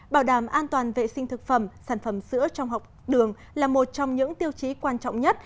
bảo đảm an toàn vệ sinh thực phẩm sản phẩm sữa trong học đường là một trong những tiêu chí quan trọng nhất